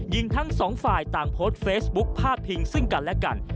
ทั้งสองฝ่ายต่างโพสต์เฟซบุ๊คพาดพิงซึ่งกันและกัน